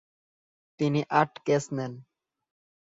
তিনি আট ক্যাচ নেন।